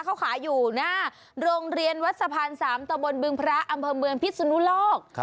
เขาขายอยู่หน้าโรงเรียนวัดสะพาน๓ตะบนบึงพระอำเภอเมืองพิศนุโลก